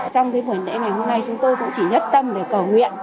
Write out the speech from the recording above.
trong buổi lễ ngày hôm nay chúng tôi cũng chỉ nhất tâm để cầu nguyện